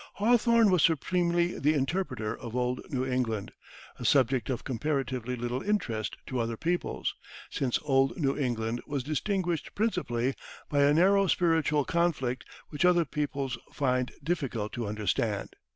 Hawthorne was supremely the interpreter of old New England, a subject of comparatively little interest to other peoples, since old New England was distinguished principally by a narrow spiritual conflict which other peoples find difficult to understand.